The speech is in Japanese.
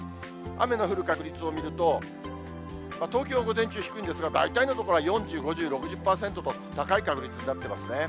雨の降る確率を見ると、東京、午前中、低いんですが、大体の所は４０、５０、６０％と高い確率になってますね。